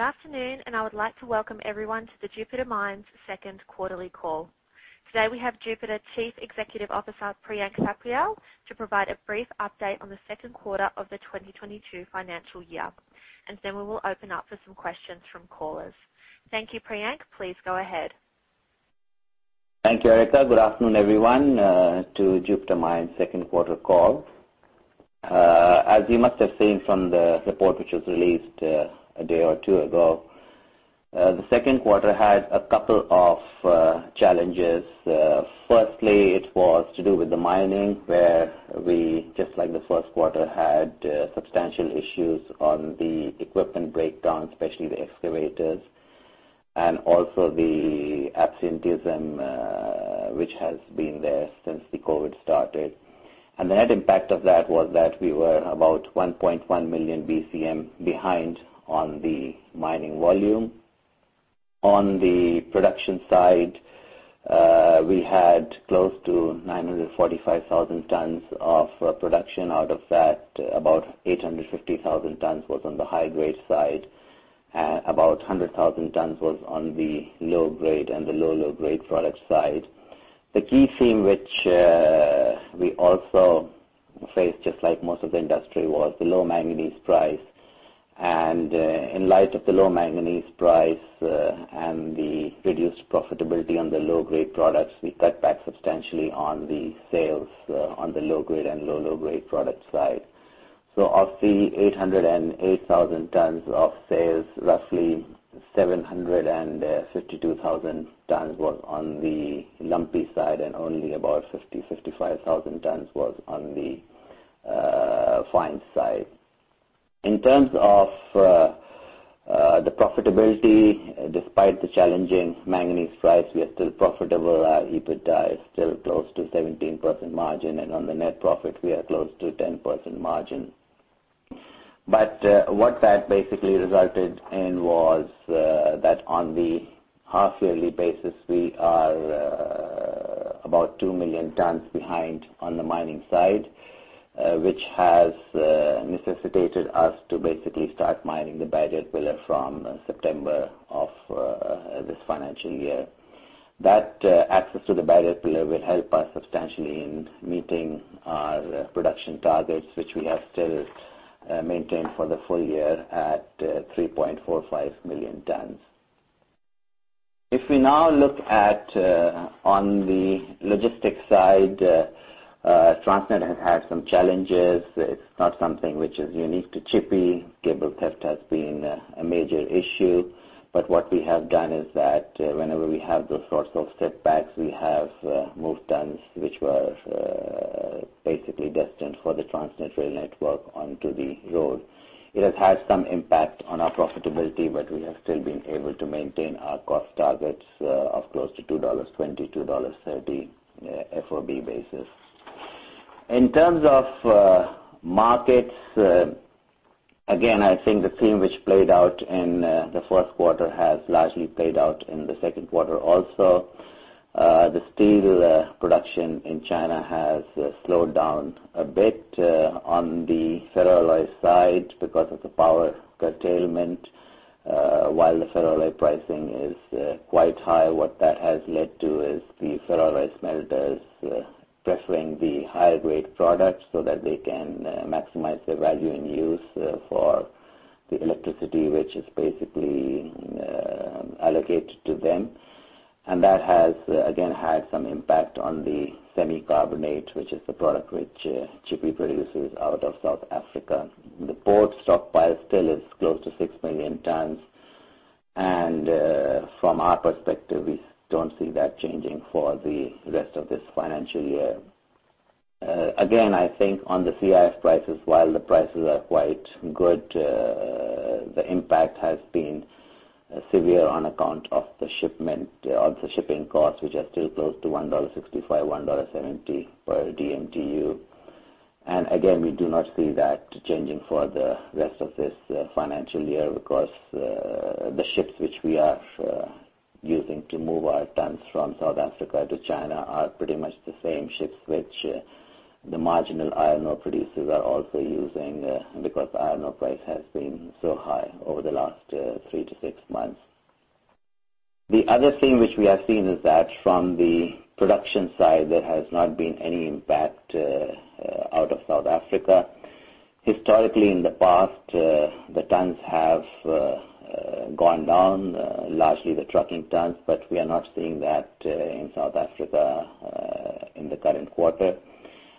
low-low-grade productsGood afternoon, I would like to welcome everyone to the Jupiter Mines 2nd quarterly call. Today we have Jupiter Chief Executive Officer, Priyank Thapliyal, to provide a brief update on the 2nd quarter of the 2022 financial year. Then we will open up for some questions from callers. Thank you, Priyank. Please go ahead. Thank you, Erica. Good afternoon, everyone, to Jupiter Mines second quarter call. As you must have seen from the report which was released a day or two ago, the second quarter had a couple of challenges. Firstly, it was to do with the mining, where we, just like the first quarter, had substantial issues on the equipment breakdown, especially the excavators, and also the absenteeism, which has been there since the COVID started. The net impact of that was that we were about 1.1 million BCM behind on the mining volume. On the production side, we had close to 945,000 tons of production. Out of that, about 850,000 tons was on the high-grade side. About 100,000 tons was on the low grade and the low-low-grade product side. The key theme which we also faced, just like most of the industry, was the low manganese price. In light of the low manganese price, and the reduced profitability on the low-grade products, we cut back substantially on the sales on the low-grade and low-low grade product side. Of the 808,000 tons of sales, roughly 752,000 tons was on the lumpy side, and only about 50,000-55,000 tons was on the fine side. In terms of the profitability, despite the challenging manganese price, we are still profitable. Our EBITDA is still close to 17% margin, and on the net profit, we are close to 10% margin. What that basically resulted in was that on the half yearly basis, we are about two million tons behind on the mining side, which has necessitated us to basically start mining the barrier pillar from September of this financial year. That access to the barrier pillar will help us substantially in meeting our production targets, which we have still maintained for the full year at 3.45 million tons. If we now look at on the logistics side, Transnet has had some challenges. It's not something which is unique to Tshipi. Cable theft has been a major issue. What we have done is that whenever we have those sorts of setbacks, we have moved tons which were basically destined for the Transnet rail network onto the road. It has had some impact on our profitability, but we have still been able to maintain our cost targets of close to $2.20-$2.30 FOB basis. In terms of markets, again, I think the theme which played out in the first quarter has largely played out in the second quarter also. The steel production in China has slowed down a bit on the ferroalloy side because of the power curtailment. While the ferroalloy pricing is quite high, what that has led to is the ferroalloy smelters preferring the higher-grade products so that they can maximize the value and use for the electricity, which is basically allocated to them. That has again had some impact on the semi-carbonate, which is the product which Tshipi produces out of South Africa. The port stockpile still is close to six million tons, from our perspective, we don't see that changing for the rest of this financial year. I think on the CIF prices, while the prices are quite good, the impact has been severe on account of the shipping costs, which are still close to $1.65-$1.70 per DMTU. Again, we do not see that changing for the rest of this financial year because the ships which we are using to move our tons from South Africa to China are pretty much the same ships which the marginal iron ore producers are also using, because the iron ore price has been so high over the last three-six months. The other thing which we have seen is that from the production side, there has not been any impact from South Africa. Historically, in the past, the tons have gone down, largely the trucking tons, but we are not seeing that in South Africa in the current quarter.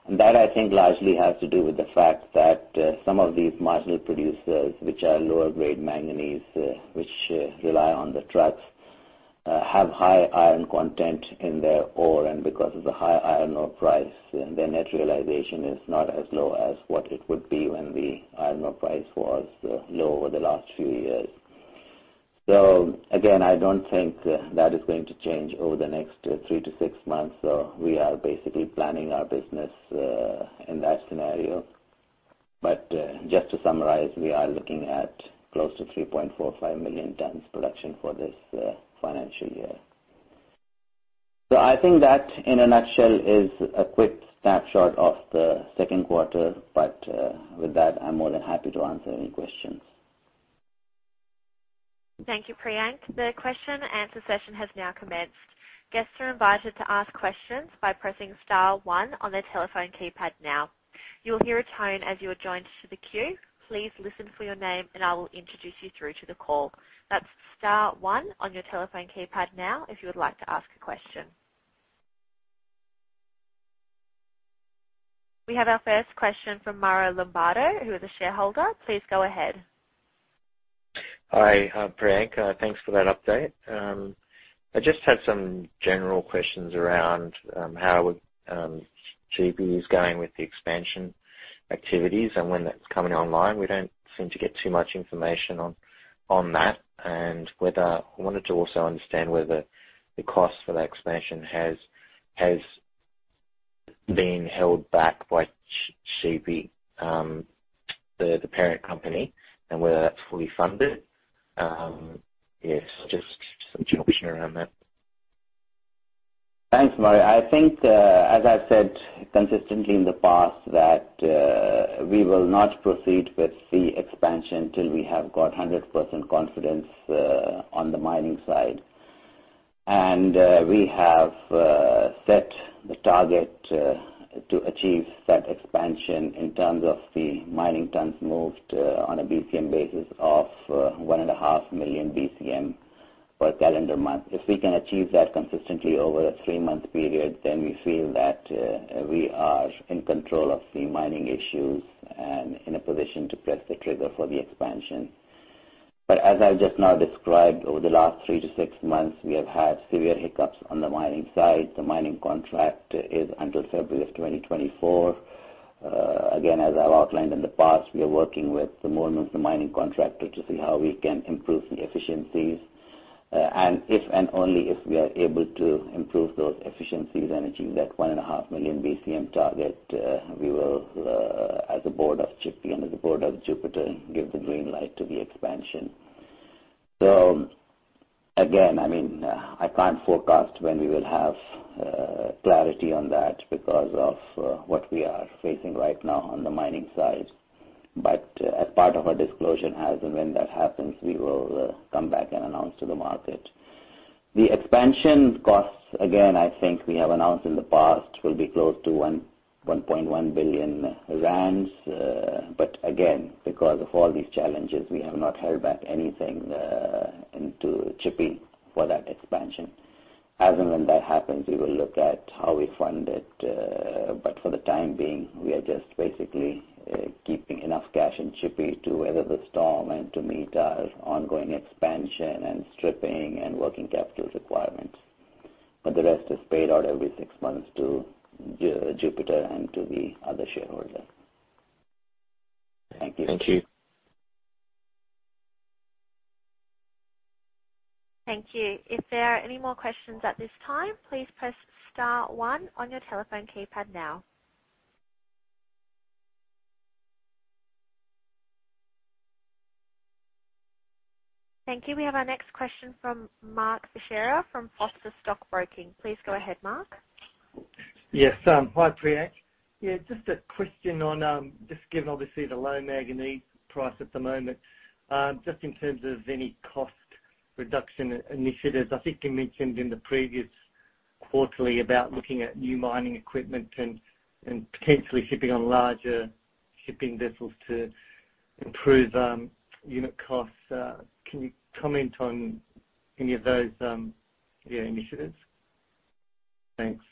That, I think, largely has to do with the fact that some of these marginal producers, which are lower-grade manganese, which rely on the trucks, have high iron content in their ore, and because of the high iron ore price, their net realization is not as low as what it would be when the iron ore price was low over the last few years. Again, I don't think that is going to change over the next three-six months. We are basically planning our business in that scenario. Just to summarize, we are looking at close to 3.45 million tons of production for this financial year. I think that in a nutshell is a quick snapshot of the second quarter. With that, I'm more than happy to answer any questions. Thank you, Priyank. The question answer session has now commenced. Guests are invited to ask questions by pressing star one on their telephone keypad now. You will hear a tone as you are joined to the queue. Please listen for your name, and I will introduce you through to the call. That's star one on your telephone keypad now, if you would like to ask a question. We have our first question from Mauro Lombardo, who is a shareholder. Please go ahead. Hi, Priyank. Thanks for that update. I just had some general questions around how Tshipi is going with the expansion activities and when that's coming online. We don't seem to get too much information on that. I wanted to also understand whether the cost for that expansion has been held back by Tshipi, the parent company, and whether that's fully funded? Yes, just some information around that. Thanks, Mauro Lombardo. I think as I said consistently in the past that we will not proceed with the expansion till we have got 100% confidence on the mining side. We have set the target to achieve that expansion in terms of the mining tons moved on a BCM basis of 1.5 million BCM per calendar month. If we can achieve that consistently over a three-month period, then we feel that we are in control of the mining issues and in a position to press the trigger for the expansion. As I've just now described, over the last three-six months, we have had severe hiccups on the mining side. The mining contract is until February of 2024. Again, as I've outlined in the past, we are working with the movement of the mining contractor to see how we can improve the efficiencies. If, and only if, we are able to improve those efficiencies and achieve that 1.5 million BCM target, we will, as a board of Tshipi and as a board of Jupiter, give the green light to the expansion. Again, I can't forecast when we will have clarity on that because of what we are facing right now on the mining side. As part of our disclosure, as and when that happens, we will come back and announce to the market. The expansion costs, again, I think we have announced in the past, will be close to 1.1 billion rands. Again, because of all these challenges, we have not held back anything into Tshipi for that expansion. As and when that happens, we will look at how we fund it. For the time being, we are just basically keeping enough cash in Tshipi to weather the storm and to meet our ongoing expansion and stripping and working capital requirements. The rest is paid out every six months to Jupiter and to the other shareholders. Thank you. Thank you. Thank you. If there are any more questions at this time, please press star one on your telephone keypad now. Thank you. We have our next question from Mark Fisher from Foster Stockbroking. Please go ahead, Mark. Yes. Hi, Priyank. Yeah, just a question on, just given obviously the low manganese price at the moment, just in terms of any cost reduction initiatives. I think you mentioned in the previous quarterly about looking at new mining equipment and potentially shipping on larger shipping vessels to improve unit costs. Can you comment on any of those initiatives? Thanks.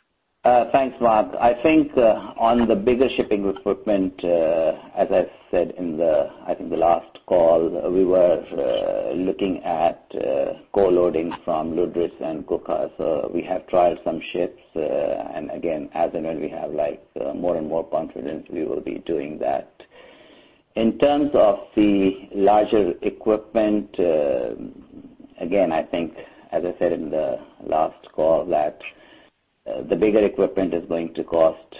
Thanks, Mark. I think on the bigger shipping equipment, as I said in the, I think the last call, we were looking at co-loading from Lüderitz and Coega. We have trialed some ships, and again, as and when we have more and more confidence, we will be doing that. In terms of the larger equipment, again, I think as I said in the last call that the bigger equipment is going to cost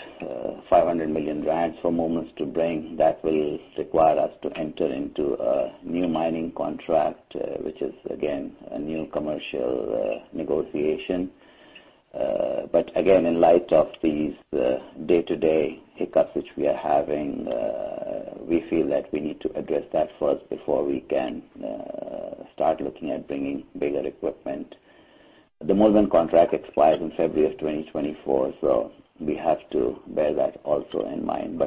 500 million rands for movements to bring. That will require us to enter into a new mining contract, which is again, a new commercial negotiation. Again, in light of these day-to-day hiccups which we are having, we feel that we need to address that first before we can start looking at bringing bigger equipment. The movement contract expires in February 2024. We have to bear that also in mind.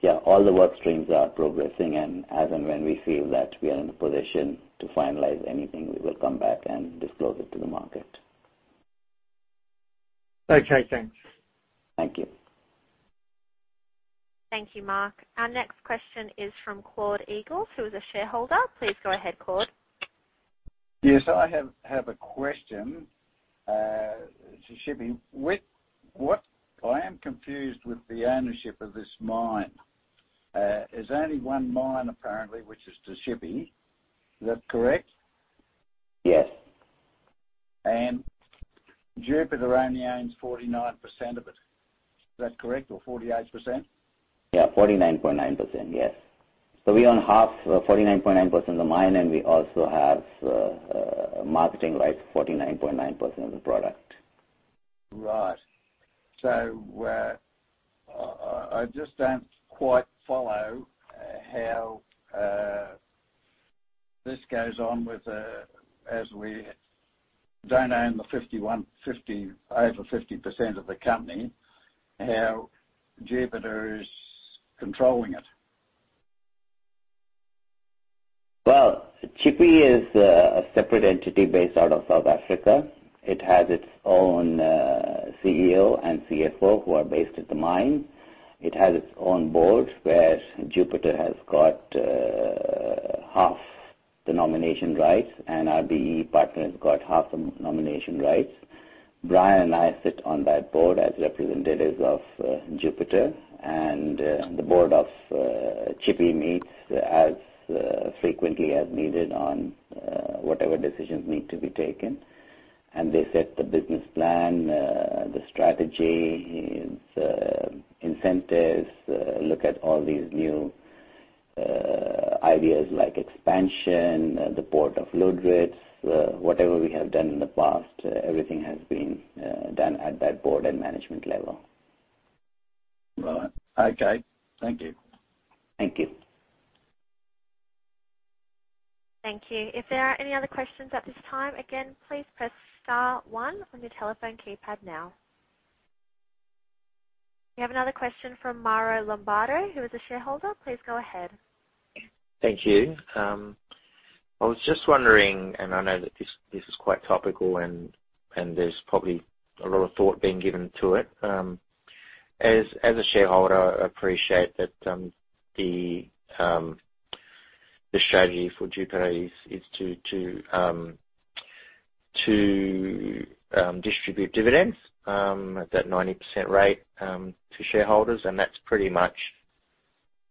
Yeah, all the work streams are progressing, and as and when we feel that we are in a position to finalize anything, we will come back and disclose it to the market. Okay, thanks. Thank you. Thank you, Mark. Our next question is from Claude Eagle, who is a shareholder. Please go ahead, Claude. Yes, I have a question. Tshipi, I am confused with the ownership of this mine. There's only one mine, apparently, which is Tshipi. Is that correct? Yes. Jupiter only owns 49% of it. Is that correct? Or 48%? Yeah, 49.9%. Yes. We own half, 49.9% of the mine, and we also have marketing rights for 49.9% of the product. Right. I just don't quite follow how this goes on with, as we don't own over 50% of the company, how Jupiter is controlling it. Well, Tshipi is a separate entity based out of South Africa. It has its own CEO and CFO who are based at the mine. It has its own board, where Jupiter has got half the nomination rights, and BEE partner has got half the nomination rights. Brian and I sit on that board as representatives of Jupiter, and the board of Tshipi meets as frequently as needed on whatever decisions need to be taken. They set the business plan, the strategy, its incentives, look at all these new ideas like expansion, the port of load rates. Whatever we have done in the past, everything has been done at that board and management level. Right. Okay. Thank you. Thank you. Thank you. If there are any other questions at this time, again, please press star one on your telephone keypad now. We have another question from Mauro Lombardo, who is a shareholder. Please go ahead. Thank you. I was just wondering, and I know that this is quite topical and there's probably a lot of thought being given to it. As a shareholder, I appreciate that the strategy for Jupiter is to distribute dividends, at that 90% rate, to shareholders, and that's pretty much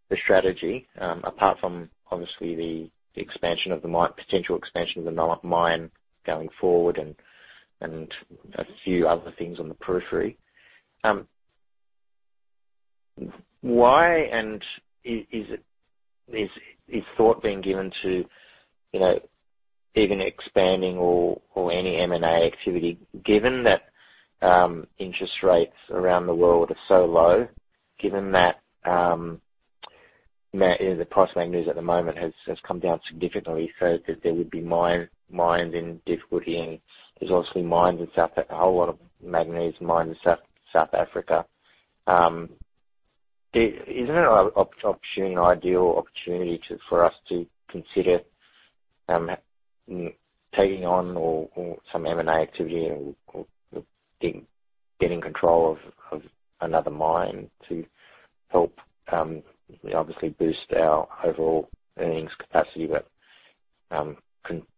the strategy, apart from obviously the potential expansion of the mine going forward and a few other things on the periphery. Why is it thought of being given to even expanding or any M&A activity, given that interest rates around the world are so low, given that the price of manganese at the moment has come down significantly, so that there would be mining difficulty, and there's obviously a whole lot of manganese mined in South Africa? Isn't it an ideal opportunity for us to consider taking on some M&A activity or getting control of another mine to help obviously boost our overall earnings capacity, but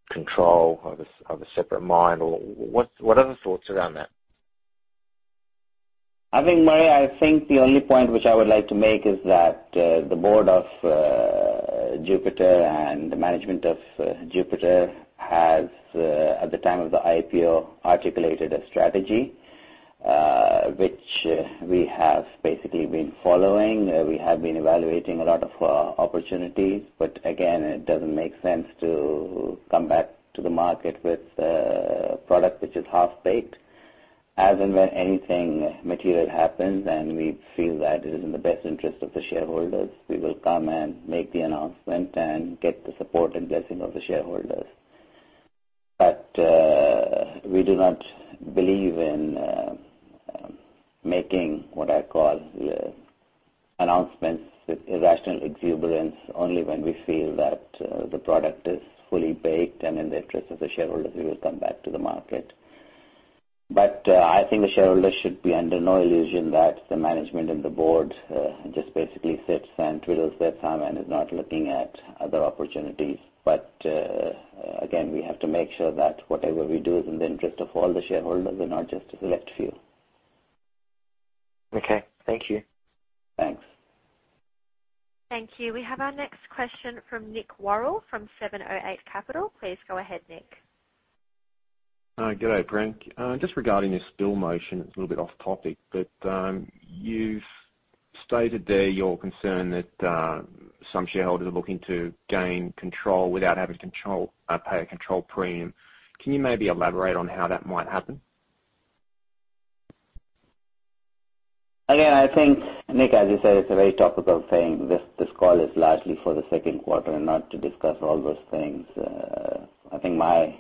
control of a separate mine? What are the thoughts around that? Mauro, I think the only point which I would like to make is that the board of Jupiter and the management of Jupiter has, at the time of the IPO, articulated a strategy, which we have basically been following. We have been evaluating a lot of opportunities. Again, it doesn't make sense to come back to the market with a product which is half-baked. As and when anything material happens, and we feel that it is in the best interest of the shareholders, we will come and make the announcement and get the support and blessing of the shareholders. We do not believe in making what I call the announcements with irrational exuberance. Only when we feel that the product is fully baked and in the interest of the shareholders, we will come back to the market. I think the shareholders should be under no illusion that the management and the board just basically sits and twiddles their thumb and is not looking at other opportunities. Again, we have to make sure that whatever we do is in the interest of all the shareholders and not just a select few. Okay. Thank you. Thanks. Thank you. We have our next question from Nick Worrall from 708 Capital. Please go ahead, Nick. Hi. Good day, Pritank. Just regarding this spill motion, it's a little bit off topic, but you've stated there your concern that some shareholders are looking to gain control without having to pay a control premium. Can you maybe elaborate on how that might happen? I think, Nick, as you said, it's a very topical thing. This call is largely for the second quarter and not to discuss all those things. I think my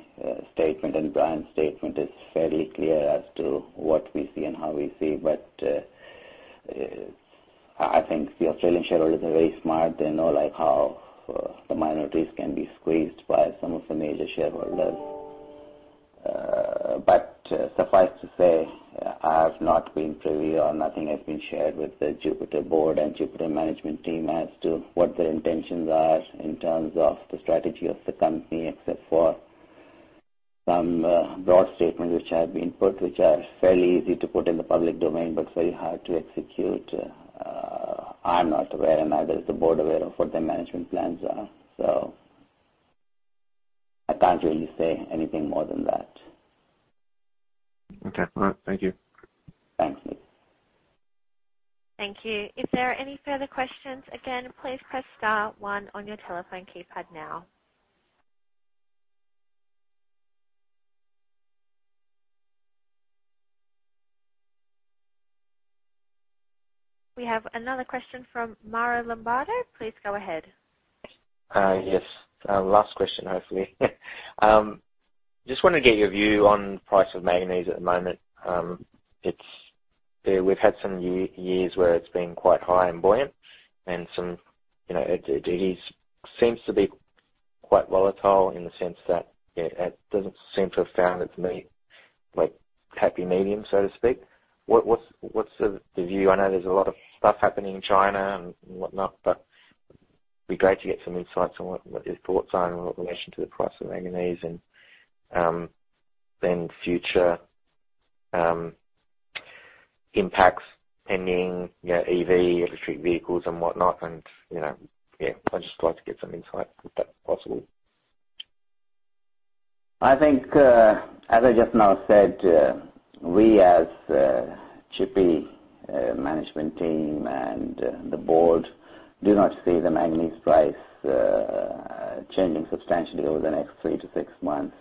statement and Brian's statement is fairly clear as to what we see and how we see. I think the Australian shareholders are very smart. They know how the minorities can be squeezed by some of the major shareholders. Suffice to say, I have not been privy or nothing has been shared with the Jupiter board and Jupiter management team as to what their intentions are in terms of the strategy of the company, except for some broad statements which have been put, which are fairly easy to put in the public domain but very hard to execute. I'm not aware, and neither is the board aware of what their management plans are. I can't really say anything more than that. Okay. All right. Thank you. Thank you. Thank you. If there are any further questions, again, please press star one on your telephone keypad now. We have another question from Mauro Lombardo. Please go ahead. Yes. Last question, hopefully. Just want to get your view on the price of manganese at the moment. We've had some years where it's been quite high and buoyant, and it seems to be quite volatile in the sense that it doesn't seem to have found its happy medium, so to speak. What's the view? I know there's a lot of stuff happening in China and whatnot, but it'd be great to get some insights on what your thoughts are in relation to the price of manganese and then future impacts pending EV, electric vehicles, and whatnot, and yeah. I'd just like to get some insight, if that's possible. I think, as I just now said, we as a Tshipi management team and the board do not see the manganese price changing substantially over the next three-six months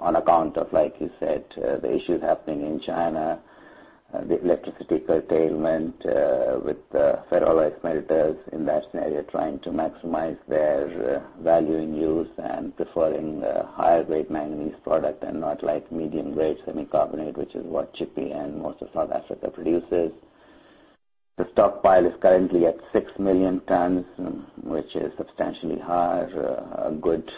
on account of, like you said, the issues happening in China, the electricity curtailment with the ferroalloys smelters in that scenario trying to maximize their value and use and preferring a higher grade manganese product and not medium grade semi-carbonate, which is what Tshipi and most of South Africa produces. The stockpile is currently at six million tons, which is substantially higher. A good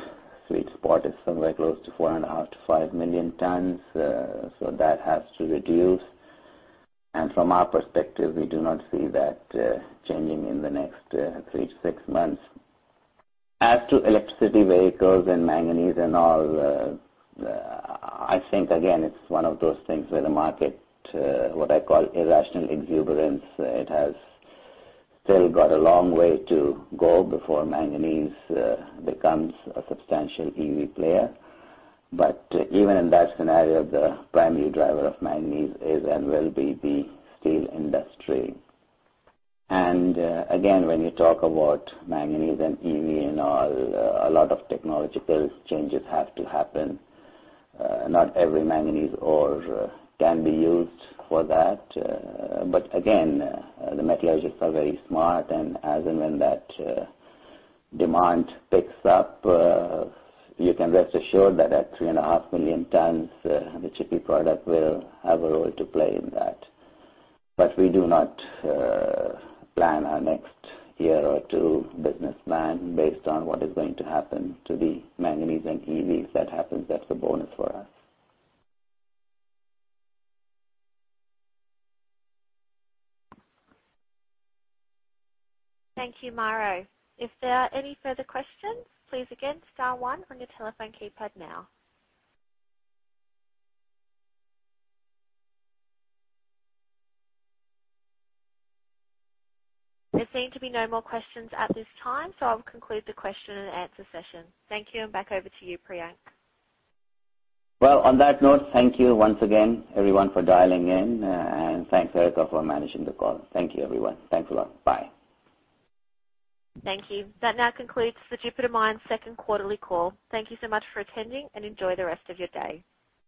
sweet spot is somewhere close to 4.5 million-5 million tons. That has to reduce, and from our perspective, we do not see that changing in the next three-six months. As to electricity vehicles and manganese and all, I think, again, it's one of those things where the market, what I call irrational exuberance. It has still got a long way to go before manganese becomes a substantial EV player. Even in that scenario, the primary driver of manganese is and will be the steel industry. Again, when you talk about manganese and EV and all, a lot of technological changes have to happen. Not every manganese ore can be used for that. Again, the metallurgists are very smart, and as and when that demand picks up, you can rest assured that at 3.5 million tons, the Tshipi product will have a role to play in that. We do not plan our next year or two business plan based on what is going to happen to the manganese and EVs. If that happens, that's a bonus for us. Thank you, Mauro. If there are any further questions, please again, star one on your telephone keypad now. There seem to be no more questions at this time, so I'll conclude the question and answer session. Thank you, and back over to you, Priyank. Well, on that note, thank you once again, everyone, for dialing in. Thanks, Erica, for managing the call. Thank you, everyone. Thanks a lot. Bye. Thank you. That now concludes the Jupiter Mines' second quarterly call. Thank you so much for attending, and enjoy the rest of your day.